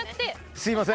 すいません。